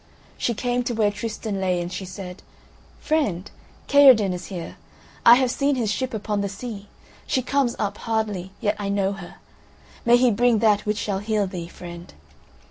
She came to where Tristan lay, and she said: "Friend, Kaherdin is here. I have seen his ship upon the sea. She comes up hardly—yet I know her; may he bring that which shall heal thee, friend."